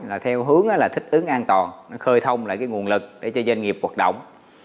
là theo hướng là thích ứng an toàn khơi thông lại cái nguồn lực để cho doanh nghiệp hoạt động